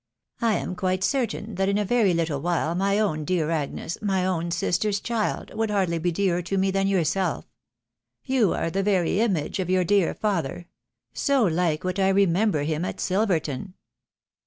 I am quite certain that in a very little while my own dear Agnes, my own sister's child, would hardly be dearer to me than yourself! You are the very image of your dear father ! So Hke what I remember him at Silverton